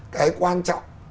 cái quan trọng